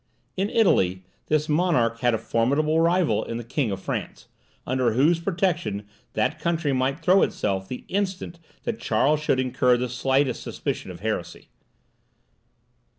In Italy this monarch had a formidable rival in the King of France, under whose protection that country might throw itself the instant that Charles should incur the slightest suspicion of heresy.